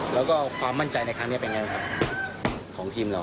แล้วก็ความมั่นใจในครั้งนี้เป็นไงครับของทีมเรา